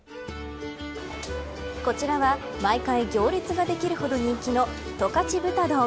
こちらは毎回、行列ができるほど人気の十勝豚丼。